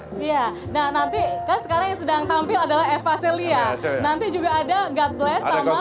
iya nah nanti kan sekarang yang sedang tampil adalah eva celia